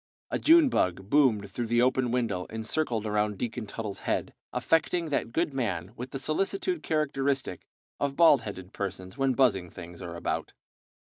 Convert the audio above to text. A June bug boomed through the open window and circled around Deacon Tuttle's head, affecting that good man with the solicitude characteristic of bald headed persons when buzzing things are about.